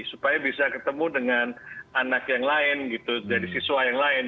supaya bisa ketemu dengan anak yang lain gitu dari siswa yang lain